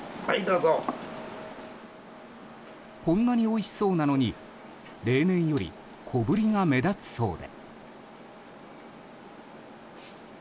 こんなにおいしそうなのに例年より小ぶりが目立つそうで。